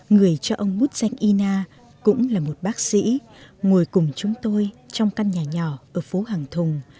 người cho ông mút danh ina cũng là một bác sĩ ngồi cùng chúng tôi trong căn nhà nhỏ ở phố hàng thùng